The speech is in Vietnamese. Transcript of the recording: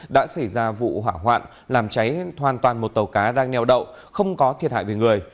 đã xảy ra vụ hỏa hoạn làm cháy hoàn toàn một tàu cá đang neo đậu không có thiệt hại về người